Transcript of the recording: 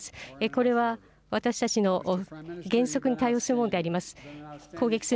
これは私たちの原則に対応するものであります。